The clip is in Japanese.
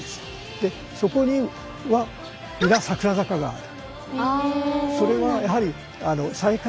でそこには皆桜坂がある。